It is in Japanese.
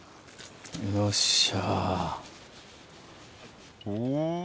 よっしゃ。